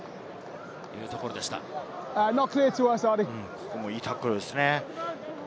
ここもいいタックルですね。